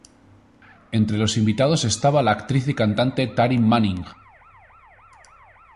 Entre los invitados estaba la actriz y cantante Taryn Manning.